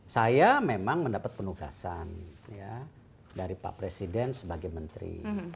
saya memang mendapat penugasan dari pak presiden sebagai menteri